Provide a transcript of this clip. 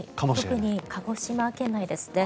特に鹿児島県内ですね。